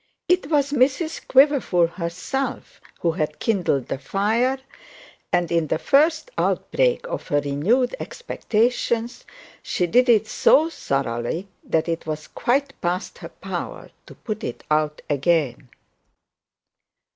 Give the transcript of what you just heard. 'Twas Mrs Quiverful herself who had kindled the fire, and in the first outbreak of her renewed expectations she did it so thoroughly, that it was quite past her power to put it out again.